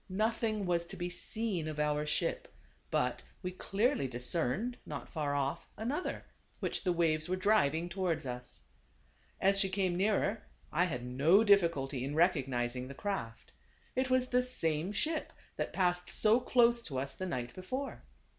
Nothing was to be seen of our ship, but we clearly dis cerned, not far off, another, which the waves were driving towards us. As she came nearer I 110 THE CARAVAN. had no difficulty in recognizing the craft. It was the same ship that passed so close to us the night before.